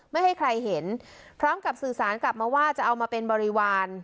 ไม่ให้ใครเห็นพร้อมกับสื่อสารกลับมาว่าจะเอามาเป็นบริวาร